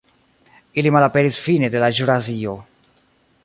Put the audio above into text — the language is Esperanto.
Ili malaperis fine de la ĵurasio.